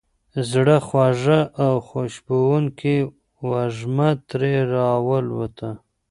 زړه خوږه او خوشبوونکې وږمه ترې را والوته.